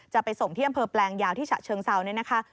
จะไปส่งที่อำเภอแปลงยาวที่ฉะเชิงเซาเนี่ยนะคะ